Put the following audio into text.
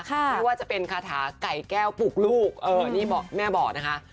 ไม่ว่าจะเป็นคาถาไก่แก้วปลูกลูกเออนี่แม่บอกนะคะ